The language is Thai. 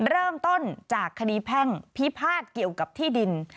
เริ่มต้นจากคดีแพ่งพิพาทเกี่ยวกับที่ดิน